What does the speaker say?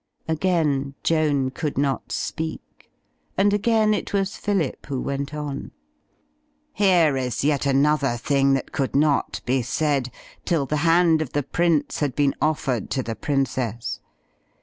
Again, Joan could not speak; and again it was Phillip who went on. "Here is yet another thing that could not be said, till the hand of the prince had been offered to the princess.